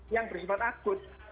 yang bersempat agut